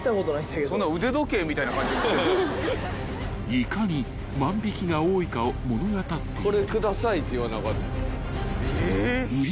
［いかに万引が多いかを物語っている］